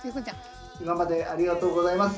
今までありがとうございます。